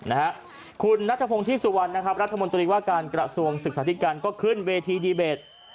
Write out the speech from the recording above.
นะฮะคุณรัฐหพงธิสุวรรอัฐหุมตรีว่าการกระทรวงศึกษาธิการก็ขึ้นโรงเทพดีเบต